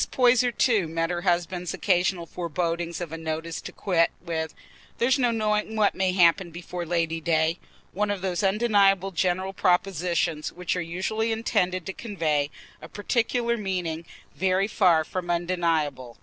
Poyser, too, met her husband's occasional forebodings of a notice to quit with "There's no knowing what may happen before Lady day"—one of those undeniable general propositions which are usually intended to convey a particular meaning very far from undeniable.